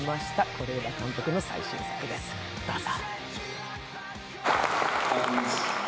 是枝監督の最新作です、どうぞ。